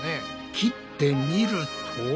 切ってみると。